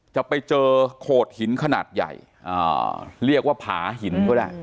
จะไปเจอโขดหินขนาดใหญ่เรียกว่าผาหินก็ได้